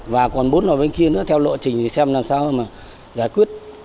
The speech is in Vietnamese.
và còn bốn lò bên kia nữa theo lộ trình thì xem làm sao mà giải quyết